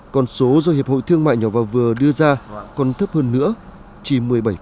còn số do hiệp hội thương mại nhỏ và vừa đưa ra còn thấp hơn nữa chỉ một mươi bảy